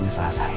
ini salah saya